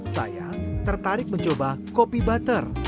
saya tertarik mencoba kopi butter